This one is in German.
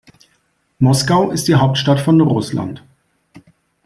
Moskau ist die Hauptstadt von Russland.